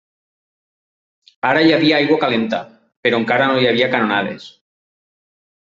Ara hi havia aigua calenta, però encara no hi havia canonades.